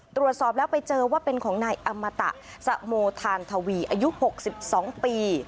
ตรวจสอบแล้วไปเจอว่าเป็นของนายอัมมะตะสมโธรกิณฑรรดาอายุ๖๒ปี